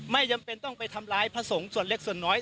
ไม่จำเป็นต้องไปทำร้ายพระสงฆ์ส่วนเล็กส่วนน้อย